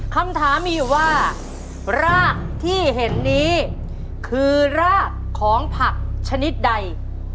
คำถามมีอยู่ว่ารากที่เห็นนี้คือรากของผักชนิดใด